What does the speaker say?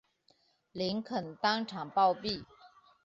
林肯当场暴毙。